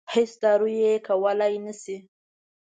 هېڅ دارو یې کولای نه شي.